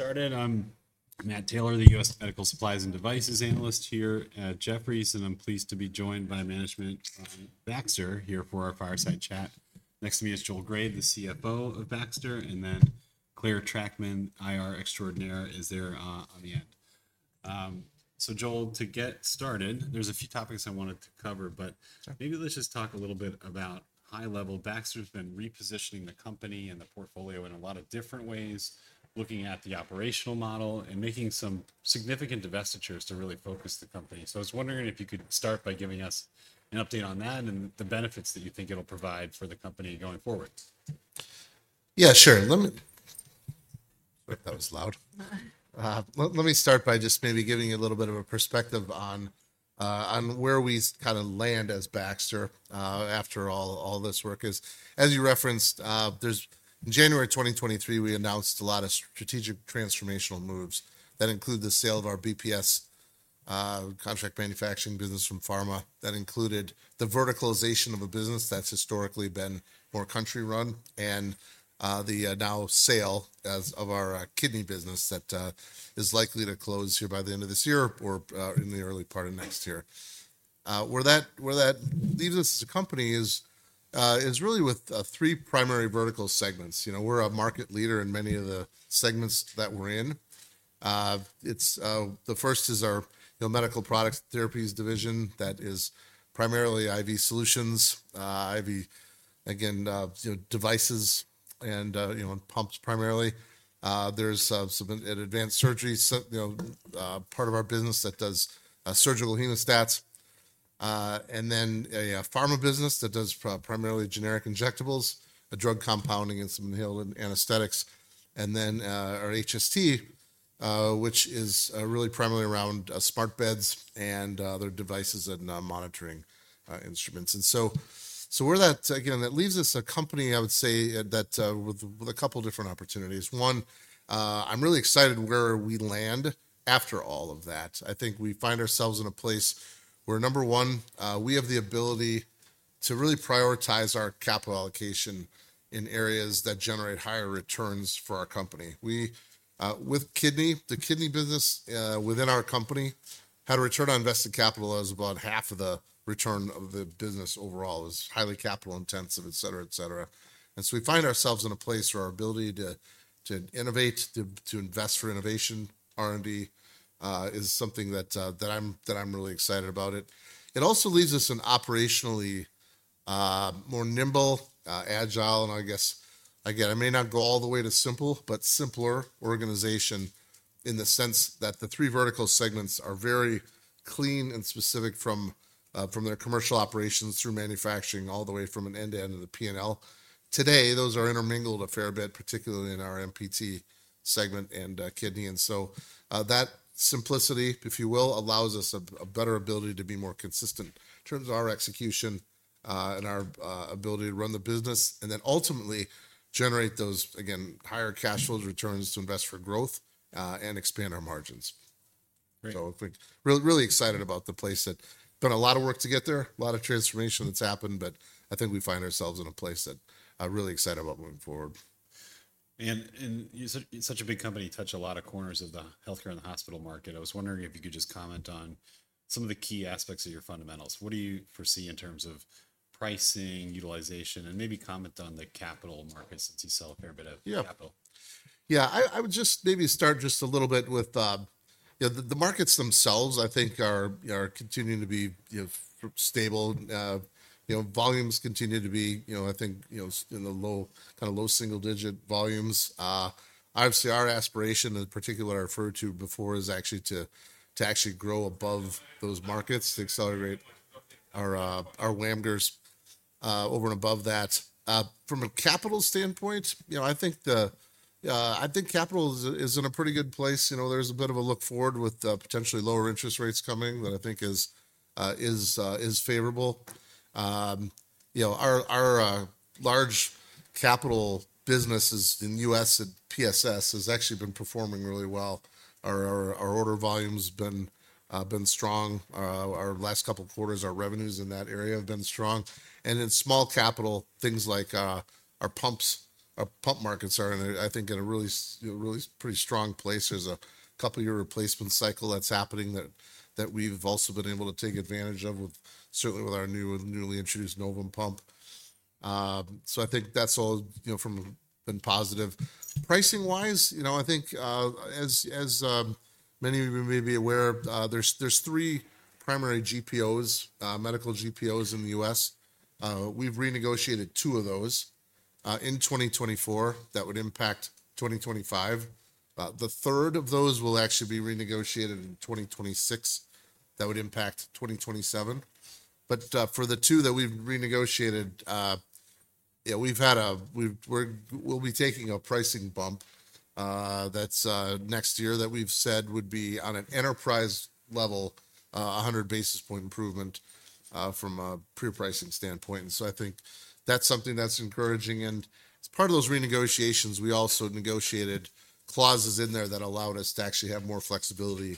I'm Matt Taylor, the U.S. Medical Supplies and Devices Analyst here at Jefferies, and I'm pleased to be joined by management from Baxter here for our fireside chat. Next to me is Joel Grade, the CFO of Baxter, and then Clare Trachtman, IR Extraordinaire, is there on the end. So, Joel, to get started, there's a few topics I wanted to cover, but maybe let's just talk a little bit about high level. Baxter's been repositioning the company and the portfolio in a lot of different ways, looking at the operational model and making some significant divestitures to really focus the company. So I was wondering if you could start by giving us an update on that and the benefits that you think it'll provide for the company going forward. Yeah, sure. Let me. That was loud. Let me start by just maybe giving you a little bit of a perspective on where we kind of land as Baxter after all this work is. As you referenced, in January 2023, we announced a lot of strategic transformational moves that include the sale of our BPS contract manufacturing business from Pharma. That included the verticalization of a business that's historically been more country-run and now the sale of our Kidney business that is likely to close here by the end of this year or in the early part of next year. Where that leaves us as a company is really with three primary vertical segments. We're a market leader in many of the segments that we're in. The first is our Medical Products and Therapies division that is primarily IV solutions, IV, again, devices and pumps primarily. There's some Advanced Surgery products, part of our business that does surgical hemostats. And then a Pharma business that does primarily generic injectables, and drug compounding, and some inhaled anesthetics. And then our HST, which is really primarily around smart beds and other devices and monitoring instruments. And so where that, again, that leaves us as a company, I would say, that with a couple of different opportunities. One, I'm really excited where we land after all of that. I think we find ourselves in a place where, number one, we have the ability to really prioritize our capital allocation in areas that generate higher returns for our company. With Kidney, the Kidney business within our company, the return on invested capital is about half of the return of the business overall, is highly capital intensive, et cetera, et cetera. We find ourselves in a place where our ability to innovate, to invest for innovation, R&D, is something that I'm really excited about. It also leaves us an operationally more nimble, agile, and I guess, again, I may not go all the way to simple, but simpler organization in the sense that the three vertical segments are very clean and specific from their commercial operations through manufacturing all the way from an end to end of the P&L. Today, those are intermingled a fair bit, particularly in our MPT segment and Kidney. That simplicity, if you will, allows us a better ability to be more consistent in terms of our execution and our ability to run the business and then ultimately generate those, again, higher cash flows returns to invest for growth and expand our margins. So, I think really excited about the place that's been a lot of work to get there, a lot of transformation that's happened, but I think we find ourselves in a place that I'm really excited about moving forward. You said such a big company touched a lot of corners of the healthcare and the hospital market. I was wondering if you could just comment on some of the key aspects of your fundamentals. What do you foresee in terms of pricing, utilization, and maybe comment on the capital markets since you sell a fair bit of capital? Yeah, I would just maybe start just a little bit with the markets themselves. I think are continuing to be stable. Volumes continue to be, I think, in the low kind of low single digit volumes. Obviously, our aspiration, in particular, what I referred to before is actually to actually grow above those markets to accelerate our WAMGRs over and above that. From a capital standpoint, I think capital is in a pretty good place. There's a bit of a look forward with potentially lower interest rates coming that I think is favorable. Our large capital businesses in the U.S. at PSS has actually been performing really well. Our order volume has been strong. Our last couple of quarters, our revenues in that area have been strong. And in small capital, things like our pump markets are, I think, in a really pretty strong place. There's a couple-year replacement cycle that's happening that we've also been able to take advantage of, certainly with our newly introduced Novum pump. So I think that's all been positive. Pricing-wise, I think, as many of you may be aware, there's three primary GPOs, medical GPOs in the U.S. We've renegotiated two of those in 2024 that would impact 2025. The third of those will actually be renegotiated in 2026 that would impact 2027. But for the two that we've renegotiated, we'll be taking a pricing bump that's next year that we've said would be on an enterprise level, 100 basis point improvement from a pre-pricing standpoint, and so I think that's something that's encouraging. And as part of those renegotiations, we also negotiated clauses in there that allowed us to actually have more flexibility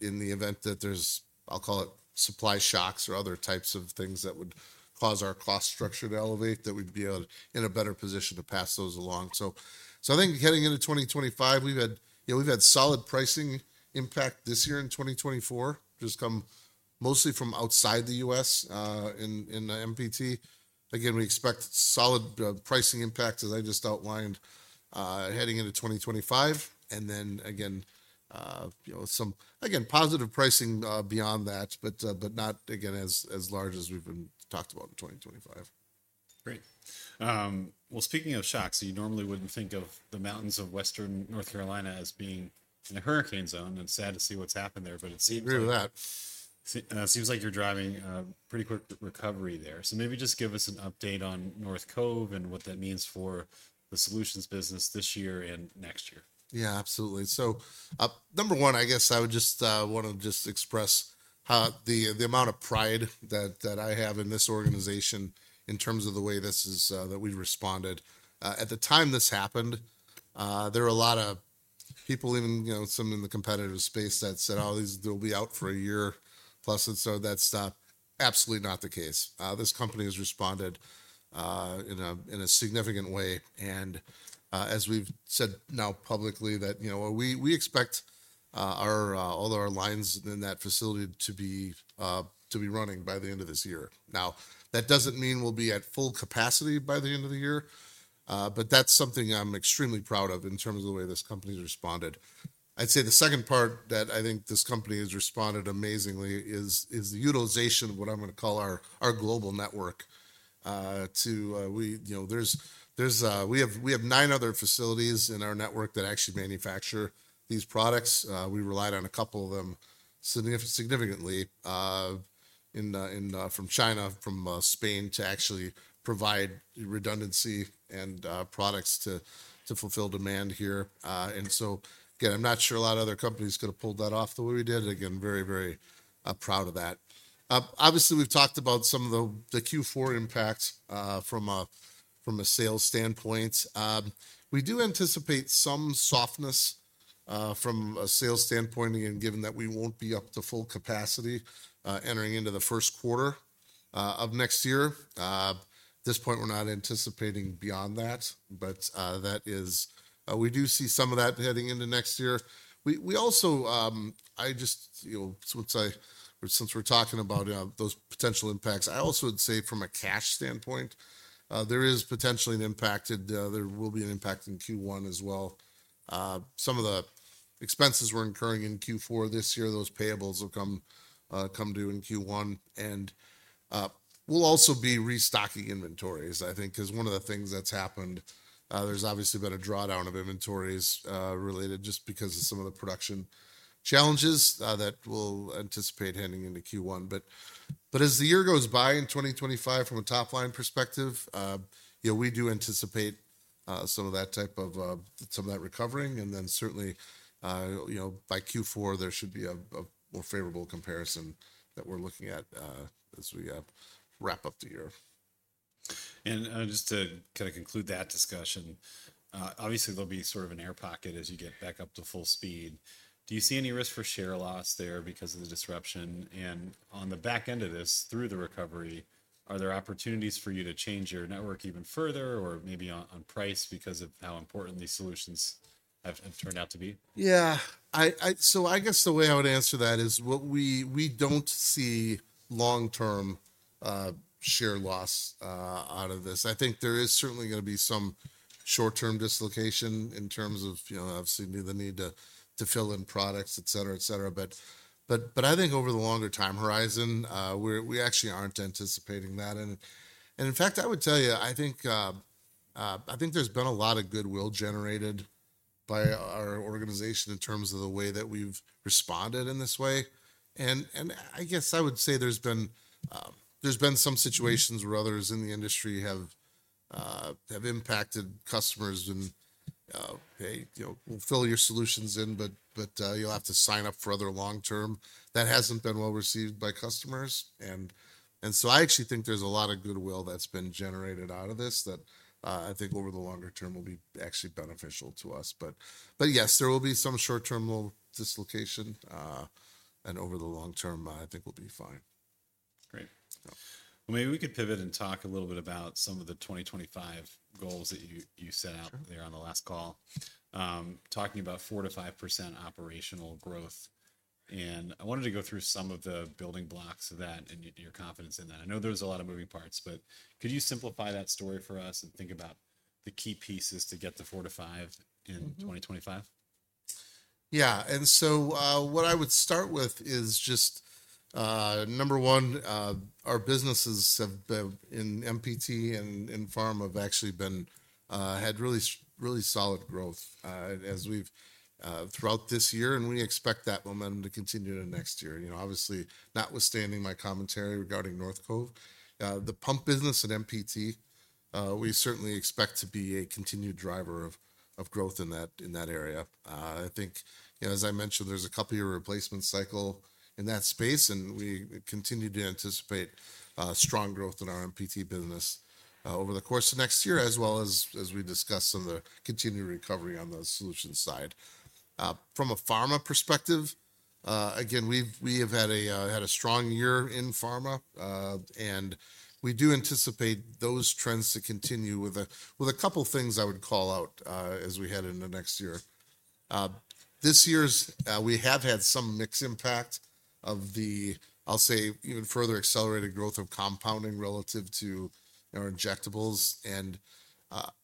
in the event that there's, I'll call it, supply shocks or other types of things that would cause our cost structure to elevate that we'd be in a better position to pass those along. So I think heading into 2025, we've had solid pricing impact this year in 2024, just come mostly from outside the U.S. in MPT. Again, we expect solid pricing impact, as I just outlined, heading into 2025. And then, again, positive pricing beyond that, but not, again, as large as we've talked about in 2025. Great. Well, speaking of shocks, you normally wouldn't think of the mountains of Western North Carolina as being in a hurricane zone. It's sad to see what's happened there, but it seems. I agree with that. Seems like you're driving a pretty quick recovery there. So maybe just give us an update on North Cove and what that means for the solutions business this year and next year? Yeah, absolutely. So number one, I guess I would just want to just express the amount of pride that I have in this organization in terms of the way that we responded. At the time this happened, there were a lot of people, even some in the competitive space that said, "Oh, they'll be out for a year plus and so that stuff." Absolutely not the case. This company has responded in a significant way. And as we've said now publicly, that we expect all of our lines in that facility to be running by the end of this year. Now, that doesn't mean we'll be at full capacity by the end of the year, but that's something I'm extremely proud of in terms of the way this company's responded. I'd say the second part that I think this company has responded amazingly is the utilization of what I'm going to call our global network. There's nine other facilities in our network that actually manufacture these products. We relied on a couple of them significantly from China, from Spain to actually provide redundancy and products to fulfill demand here. And so, again, I'm not sure a lot of other companies could have pulled that off the way we did. Again, very, very proud of that. Obviously, we've talked about some of the Q4 impacts from a sales standpoint. We do anticipate some softness from a sales standpoint, again, given that we won't be up to full capacity entering into the Q1 of next year. At this point, we're not anticipating beyond that, but that is we do see some of that heading into next year. I just, since we're talking about those potential impacts, I also would say from a cash standpoint, there is potentially an impact. There will be an impact in Q1 as well. Some of the expenses we're incurring in Q4 this year, those payables will come due in Q1. And we'll also be restocking inventories, I think, because one of the things that's happened, there's obviously been a drawdown of inventories related just because of some of the production challenges that we'll anticipate heading into Q1. But as the year goes by in 2025, from a top-line perspective, we do anticipate some of that type of some of that recovering. And then certainly, by Q4, there should be a more favorable comparison that we're looking at as we wrap up the year. And just to kind of conclude that discussion, obviously, there'll be sort of an air pocket as you get back up to full speed. Do you see any risk for share loss there because of the disruption? And on the back end of this, through the recovery, are there opportunities for you to change your network even further or maybe on price because of how important these solutions have turned out to be? Yeah. So I guess the way I would answer that is we don't see long-term share loss out of this. I think there is certainly going to be some short-term dislocation in terms of, obviously, the need to fill in products, et cetera, et cetera. But I think over the longer time horizon, we actually aren't anticipating that. And in fact, I would tell you, I think there's been a lot of goodwill generated by our organization in terms of the way that we've responded in this way. And I guess I would say there's been some situations where others in the industry have impacted customers and, "Hey, we'll fill your solutions in, but you'll have to sign up for other long-term." That hasn't been well received by customers. And so I actually think there's a lot of goodwill that's been generated out of this that I think over the longer term will be actually beneficial to us. But yes, there will be some short-term dislocation. And over the long term, I think we'll be fine. Great. Well, maybe we could pivot and talk a little bit about some of the 2025 goals that you set out there on the last call, talking about 4%-5% operational growth. And I wanted to go through some of the building blocks of that and your confidence in that. I know there's a lot of moving parts, but could you simplify that story for us and think about the key pieces to get to 4%-5% in 2025? Yeah. And so what I would start with is just number one, our businesses in MPT and Pharma have actually had really solid growth throughout this year. And we expect that momentum to continue into next year. Obviously, notwithstanding my commentary regarding North Cove, the pump business at MPT, we certainly expect to be a continued driver of growth in that area. I think, as I mentioned, there's a couple-year replacement cycle in that space. And we continue to anticipate strong growth in our MPT business over the course of next year, as well as we discussed some of the continued recovery on the solution side. From a Pharma perspective, again, we have had a strong year in Pharma. And we do anticipate those trends to continue with a couple of things I would call out as we head into next year. This year, we have had some mixed impact of the, I'll say, even further accelerated growth of compounding relative to our injectables. And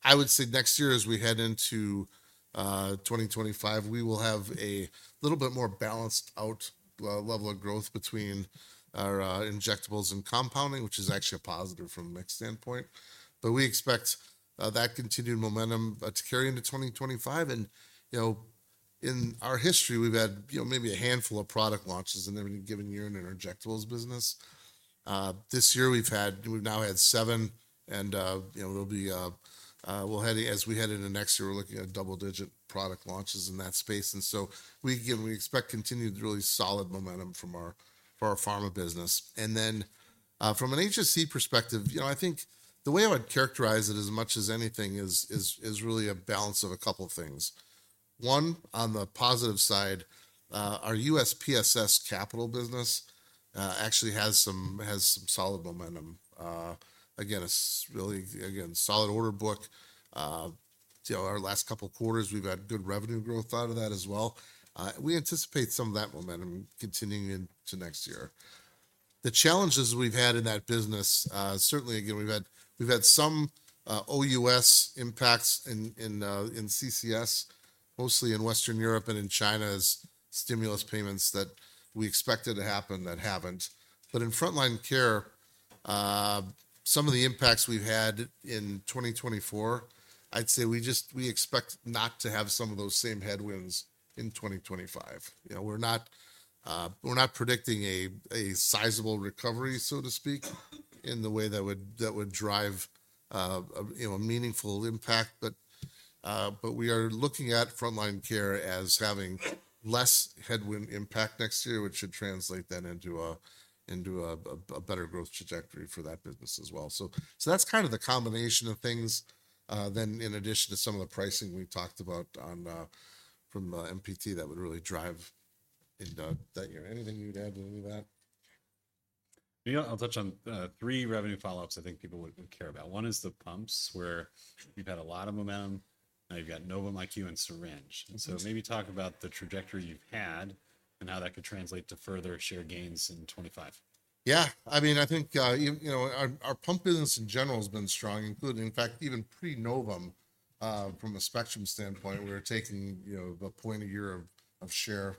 I would say next year, as we head into 2025, we will have a little bit more balanced out level of growth between our injectables and compounding, which is actually a positive from a mixed standpoint. But we expect that continued momentum to carry into 2025. In our history, we've had maybe a handful of product launches in every given year in our injectables business. This year, we've now had seven. As we head into next year, we're looking at double-digit product launches in that space. So we expect continued really solid momentum for our Pharma business. From an HST perspective, I think the way I would characterize it as much as anything is really a balance of a couple of things. One, on the positive side, our U.S. PSS capital business actually has some solid momentum. Again, a really, again, solid order book. Our last couple of quarters, we've had good revenue growth out of that as well. We anticipate some of that momentum continuing into next year. The challenges we've had in that business, certainly, again, we've had some OUS impacts in CCS, mostly in Western Europe and in China as stimulus payments that we expected to happen that haven't. But in Front Line Care, some of the impacts we've had in 2024, I'd say we expect not to have some of those same headwinds in 2025. We're not predicting a sizable recovery, so to speak, in the way that would drive a meaningful impact. But we are looking at Front Line Care as having less headwind impact next year, which should translate then into a better growth trajectory for that business as well. So that's kind of the combination of things then, in addition to some of the pricing we talked about from MPT that would really drive that year. Anything you'd add to any of that? I'll touch on three revenue follow-ups I think people would care about. One is the pumps where you've had a lot of momentum. Now you've got Novum, IQ, and syringe. And so maybe talk about the trajectory you've had and how that could translate to further share gains in 2025. Yeah. I mean, I think our pump business in general has been strong, including, in fact, even pre-Novum from a spectrum standpoint. We were taking a point a year of share.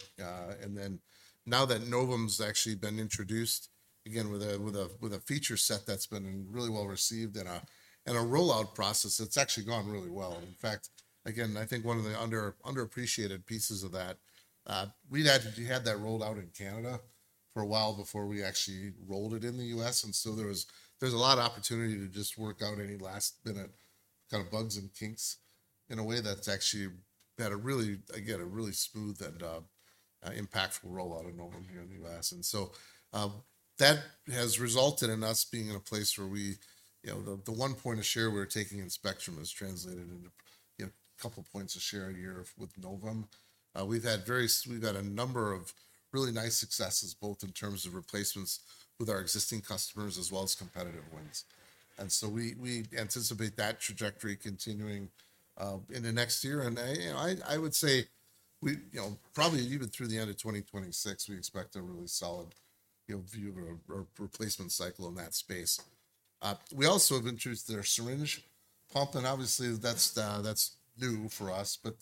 And then now that Novum's actually been introduced, again, with a feature set that's been really well received in a rollout process, it's actually gone really well. In fact, again, I think one of the underappreciated pieces of that, we'd had to have that rolled out in Canada for a while before we actually rolled it in the U.S. And so there's a lot of opportunity to just work out any last-minute kind of bugs and kinks in a way that's actually had a really, again, a really smooth and impactful rollout of Novum here in the U.S. And so that has resulted in us being in a place where the one point of share we're taking in Spectrum has translated into a couple of points of share a year with Novum. We've had a number of really nice successes, both in terms of replacements with our existing customers as well as competitive wins. And so we anticipate that trajectory continuing into next year. And I would say probably even through the end of 2026, we expect a really solid view of a replacement cycle in that space. We also have introduced our syringe pump. And obviously, that's new for us. But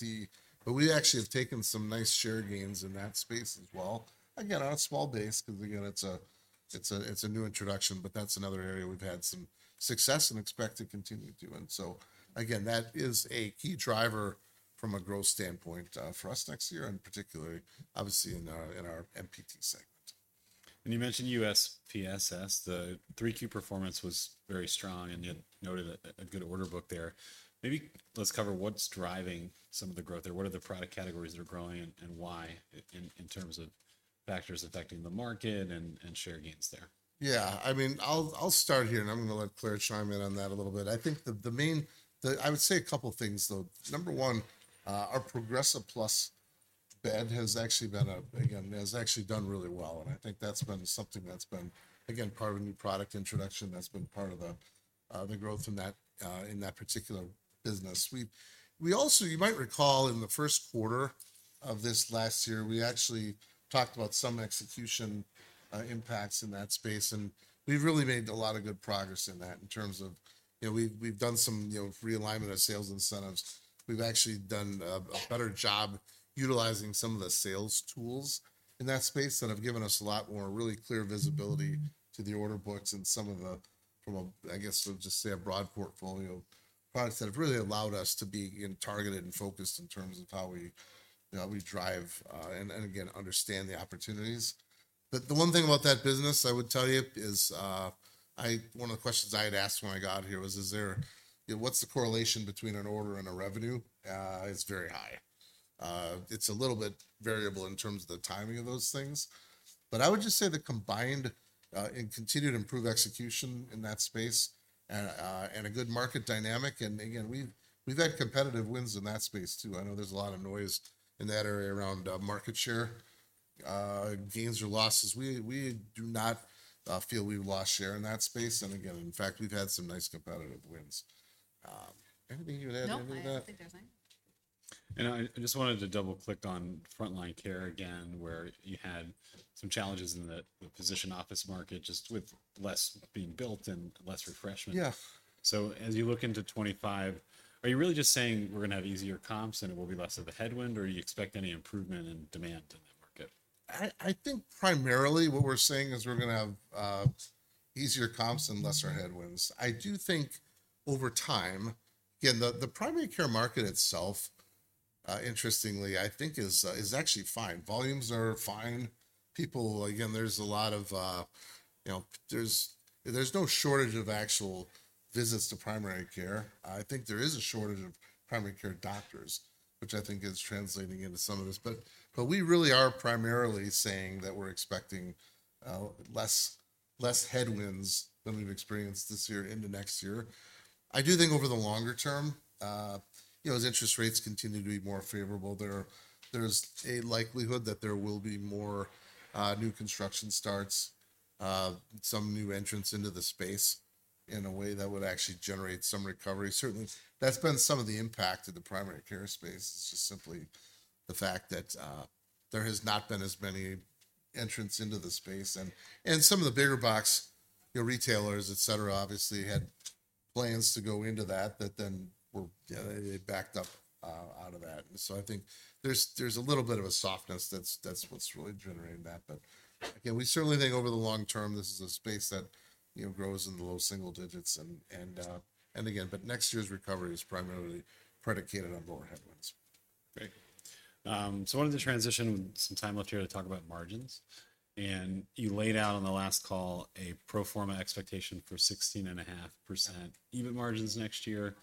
we actually have taken some nice share gains in that space as well. Again, on a small base because, again, it's a new introduction, but that's another area we've had some success and expect to continue doing. So again, that is a key driver from a growth standpoint for us next year and particularly, obviously, in our MPT segment. And you mentioned U.S. PSS. The 3Q performance was very strong, and you had noted a good order book there. Maybe let's cover what's driving some of the growth there. What are the product categories that are growing and why in terms of factors affecting the market and share gains there? Yeah. I mean, I'll start here, and I'm going to let Clare chime in on that a little bit. I think the main, I would say a couple of things, though. Number one, our Progressa Plus bed has actually been, again, has actually done really well. And I think that's been something that's been, again, part of a new product introduction that's been part of the growth in that particular business. You might recall in the Q1 of this last year, we actually talked about some execution impacts in that space. And we've really made a lot of good progress in that in terms of we've done some realignment of sales incentives. We've actually done a better job utilizing some of the sales tools in that space that have given us a lot more really clear visibility to the order books and some of the, I guess, we'll just say a broad portfolio of products that have really allowed us to be targeted and focused in terms of how we drive and, again, understand the opportunities, but the one thing about that business, I would tell you, is one of the questions I had asked when I got here was, what's the correlation between an order and a revenue? It's very high. It's a little bit variable in terms of the timing of those things, but I would just say the combined and continued improved execution in that space and a good market dynamic, and again, we've had competitive wins in that space too. I know there's a lot of noise in that area around market share, gains or losses. We do not feel we've lost share in that space. And again, in fact, we've had some nice competitive wins. Anything you would add to any of that? I don't think there's any. And I just wanted to double-click on Front Line Care again, where you had some challenges in the physician office market just with less being built and less refreshment. So as you look into 2025, are you really just saying we're going to have easier comps and it will be less of a headwind, or do you expect any improvement in demand in that market? I think primarily what we're seeing is we're going to have easier comps and lesser headwinds. I do think over time, again, the primary care market itself, interestingly, I think is actually fine. Volumes are fine. People, again, there's no shortage of actual visits to primary care. I think there is a shortage of primary care doctors, which I think is translating into some of this. But we really are primarily saying that we're expecting less headwinds than we've experienced this year into next year. I do think over the longer term, as interest rates continue to be more favorable, there's a likelihood that there will be more new construction starts, some new entrants into the space in a way that would actually generate some recovery. Certainly, that's been some of the impact of the primary care space. It's just simply the fact that there has not been as many entrants into the space. And some of the bigger box retailers, et cetera, obviously had plans to go into that then they backed out of that. And so I think there's a little bit of a softness that's what's really generating that. But again, we certainly think over the long term, this is a space that grows in the low single digits. And again, but next year's recovery is primarily predicated on lower headwinds. Great. So I wanted to transition with some time left here to talk about margins. And you laid out on the last call a pro forma expectation for 16.5% EBIT margins next year.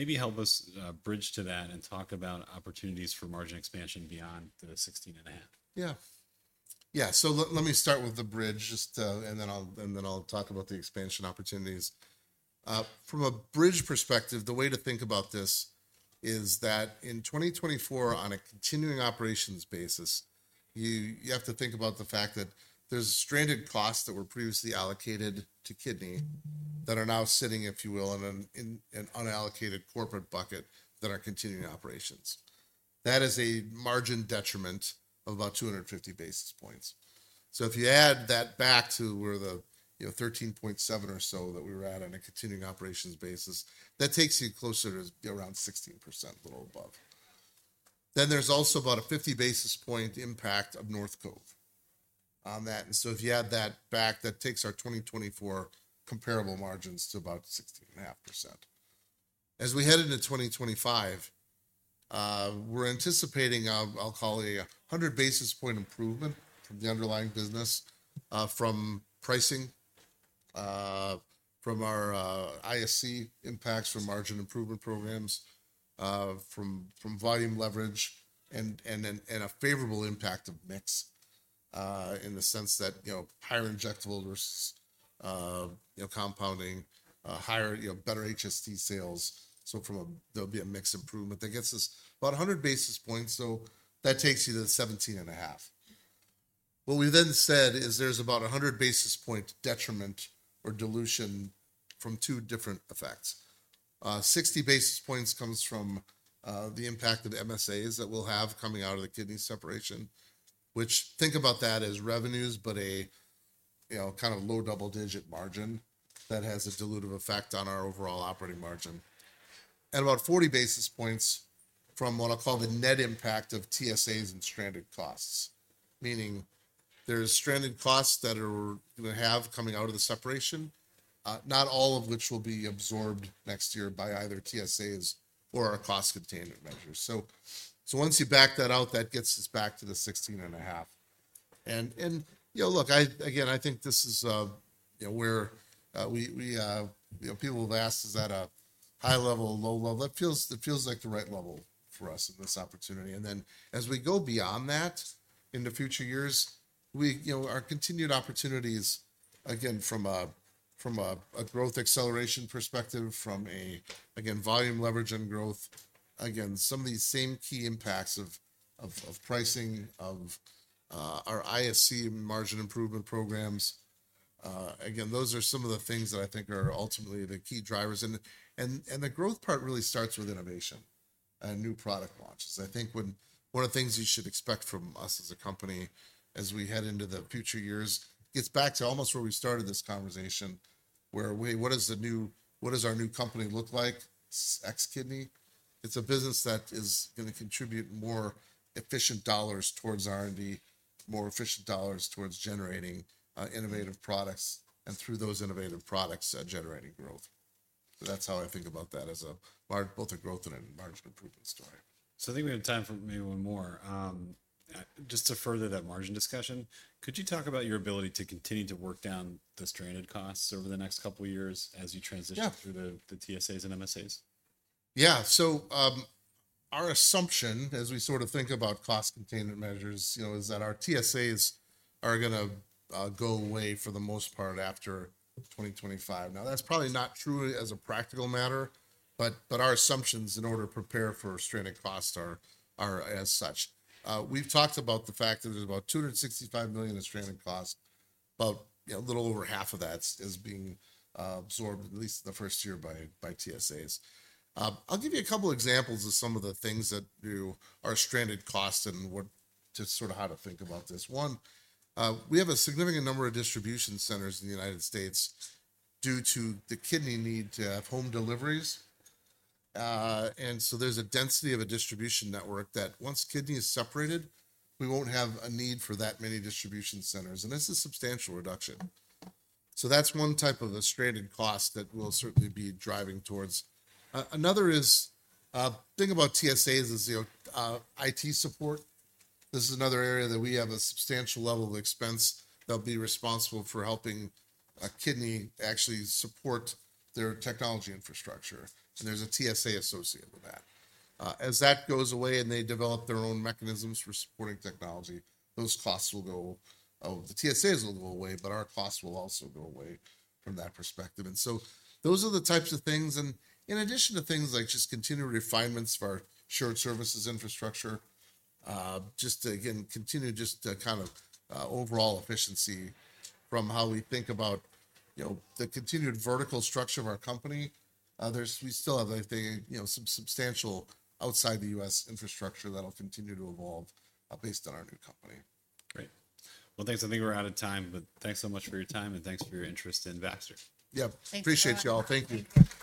Maybe help us bridge to that and talk about opportunities for margin expansion beyond the 16.5%? Yeah. Yeah. So let me start with the bridge, and then I'll talk about the expansion opportunities. From a bridge perspective, the way to think about this is that in 2024, on a continuing operations basis, you have to think about the fact that there's stranded costs that were previously allocated to Kidney that are now sitting, if you will, in an unallocated corporate bucket that are continuing operations. That is a margin detriment of about 250 basis points. So if you add that back to where the 13.7% or so that we were at on a continuing operations basis, that takes you closer to around 16%, a little above. Then there's also about a 50 basis point impact of North Cove on that. And so if you add that back, that takes our 2024 comparable margins to about 16.5%. As we head into 2025, we're anticipating. I'll call it a 100 basis points improvement from the underlying business, from pricing, from our ISC impacts, from margin improvement programs, from volume leverage, and a favorable impact of mix in the sense that higher injectables versus compounding, better HST sales. So there'll be a mix improvement that gets us about 100 basis points. So that takes you to 17.5%. What we then said is there's about a 100 basis points detriment or dilution from two different effects. 60 basis points comes from the impact of MSAs that we'll have coming out of the Kidney separation, which, think about that as revenues, but a kind of low double-digit margin that has a dilutive effect on our overall operating margin. And about 40 basis points from what I'll call the net impact of TSAs and stranded costs, meaning there's stranded costs that we're going to have coming out of the separation, not all of which will be absorbed next year by either TSAs or our cost containment measures. So once you back that out, that gets us back to the 16.5%. And look, again, I think this is where people have asked, is that a high level, low level? It feels like the right level for us in this opportunity. And then as we go beyond that in the future years, our continued opportunities, again, from a growth acceleration perspective, from a, again, volume leverage and growth, again, some of these same key impacts of pricing, of our ISC margin improvement programs. Again, those are some of the things that I think are ultimately the key drivers. The growth part really starts with innovation and new product launches. I think one of the things you should expect from us as a company as we head into the future years gets back to almost where we started this conversation, where what does our new company look like? It's ex-Kidney. It's a business that is going to contribute more efficient dollars towards R&D, more efficient dollars towards generating innovative products, and through those innovative products, generating growth. So that's how I think about that as both a growth and an enlargement improvement story. So I think we have time for maybe one more. Just to further that margin discussion, could you talk about your ability to continue to work down the stranded costs over the next couple of years as you transition through the TSAs and MSAs? Yeah. So our assumption, as we sort of think about cost containment measures, is that our TSAs are going to go away for the most part after 2025. Now, that's probably not true as a practical matter, but our assumptions in order to prepare for stranded costs are as such. We've talked about the fact that there's about $265 million of stranded costs, but a little over half of that is being absorbed at least the first year by TSAs. I'll give you a couple of examples of some of the things that are stranded costs and sort of how to think about this. One, we have a significant number of distribution centers in the United States due to the Kidney need to have home deliveries. And so there's a density of a distribution network that once Kidney is separated, we won't have a need for that many distribution centers. This is a substantial reduction. That's one type of a stranded cost that will certainly be driving towards. Another thing about TSAs is IT support. This is another area that we have a substantial level of expense that'll be responsible for helping Kidney actually support their technology infrastructure. There's a TSA associated with that. As that goes away and they develop their own mechanisms for supporting technology, those costs will go. The TSAs will go away, but our costs will also go away from that perspective. Those are the types of things. In addition to things like just continued refinements for our shared services infrastructure, just to, again, continue just to kind of overall efficiency from how we think about the continued vertical structure of our company, we still have, I think, some substantial outside the U.S. Infrastructure that'll continue to evolve based on our new company. Great. Well, thanks. I think we're out of time, but thanks so much for your time and thanks for your interest in Baxter. Yeah. Appreciate y'all. Thank you.